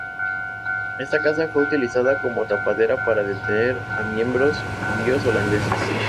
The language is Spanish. Esta casa fue utilizada como tapadera para detener a miembros judíos holandeses.